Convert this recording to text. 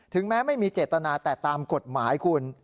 แม้ไม่มีเจตนาแต่ตามกฎหมายคุณ